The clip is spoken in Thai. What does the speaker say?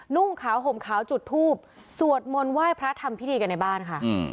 นุ่งขาวห่มขาวจุดทูบสวดมนต์ไหว้พระทำพิธีกันในบ้านค่ะ